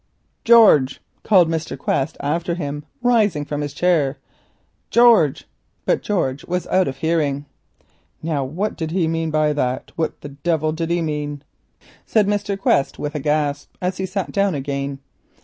"George!" called Mr. Quest after him, rising from his chair, "George!" but George was out of hearing. "Now what did he mean by that—what the devil did he mean?" said Mr. Quest with a gasp as he sat down again.